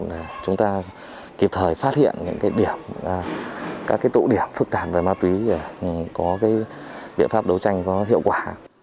để chúng ta kịp thời phát hiện những tổ điểm phức tạp về ma túy để có biện pháp đấu tranh có hiệu quả